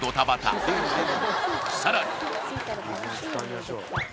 さらに